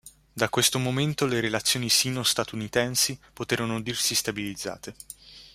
Da questo momento, le relazioni sino-statunitensi poterono dirsi stabilizzate.